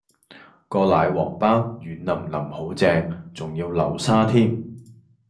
個奶黃飽軟腍腍好正，仲要流沙添